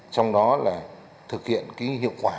trong đó là thực hiện cái hiệu quả